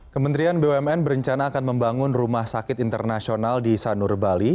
kementerian bumn berencana akan membangun rumah sakit internasional di sanur bali